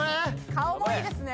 顔もいいですね